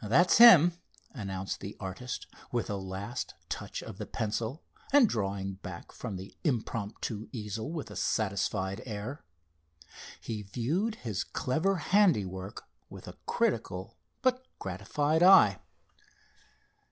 "That's him," announced the artist, with a last touch of the pencil, and drawing back from the impromptu easel with a satisfied air. He viewed his clever handiwork with a critical but gratified eye.